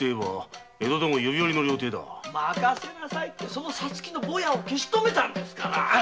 その茶月のボヤを消しとめたんですから。